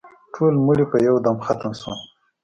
ټول مړي په یو دم ختم شول.